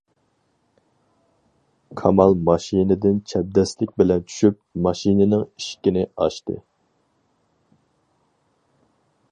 كامال ماشىنىدىن چەبدەسلىك بىلەن چۈشۈپ، ماشىنىنىڭ ئىشىكىنى ئاچتى.